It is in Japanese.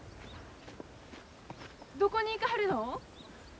どこに行かはるの？